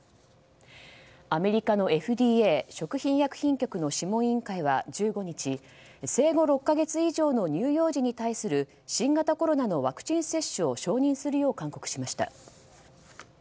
アメリカのＦＤＡ・食品医薬品局の諮問委員会は１５日、生後６か月以上の乳幼児に対する新型コロナのワクチン接種を承認するよう勧告しました。